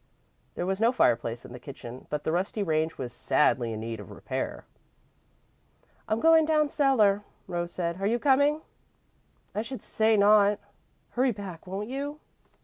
There was no fireplace in the kitchen, but the rusty range was sadly in need of repair. "I'm going down cellar," Rose said. "Are you coming?" "I should say not. Hurry back, won't you?"